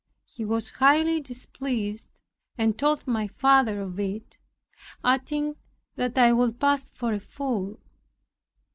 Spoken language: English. He was highly displeased, and told my father of it, adding, that I would pass for a fool.